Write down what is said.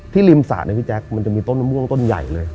ริมสระเนี่ยพี่แจ๊คมันจะมีต้นมะม่วงต้นใหญ่เลย